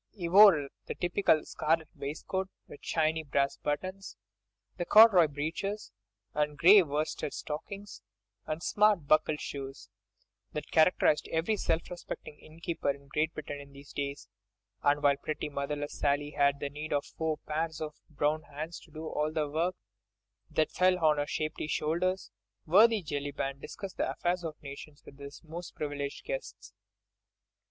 He wore the typical scarlet waistcoat, with shiny brass buttons, the corduroy breeches, the grey worsted stockings and smart buckled shoes, that characterised every self respecting innkeeper in Great Britain in these days—and while pretty, motherless Sally had need of four pairs of brown hands to do all the work that fell on her shapely shoulders, worthy Jellyband discussed the affairs of nations with his most privileged guests.